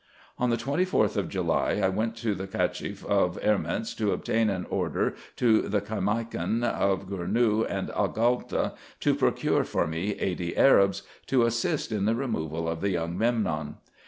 On the 24th of July, I went to the Cacheff of Erments to obtain an order to the Caimakan of Gournou and Agalta, to procure for me eighty Arabs, to assist in the removal of the young Memnon.